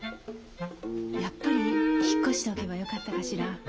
やっぱり引っ越しておけばよかったかしら。